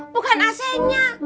bukan ac nya